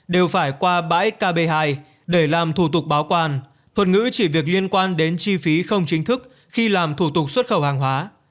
đều phải qua bãi kb hai để làm thủ tục báo quan thuật ngữ chỉ việc liên quan đến chi phí không chính thức khi làm thủ tục xuất khẩu hàng hóa